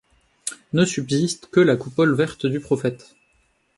Ne subsiste que la coupole verte du Prophète.